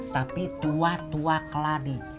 tapi tua tua keladi